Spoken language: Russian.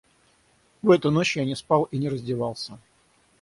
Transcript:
В эту ночь я не спал и не раздевался.